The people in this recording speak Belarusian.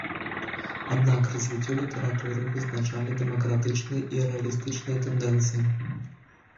Аднак развіццё літаратуры вызначалі дэмакратычныя і рэалістычныя тэндэнцыі.